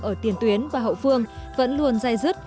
ở tiền tuyến và hậu phương vẫn luôn dây dứt